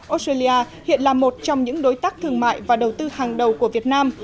australia hiện là một trong những đối tác thương mại và đầu tư hàng đầu của việt nam